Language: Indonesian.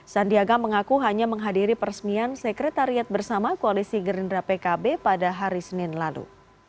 sandiaga mengaku hanya menghadiri peresmian sekretariat bersama koalisi gerindra pkb pada hari senin lalu